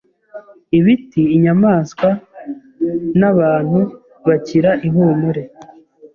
ibiti inyamaswa nabantu bakira ihumure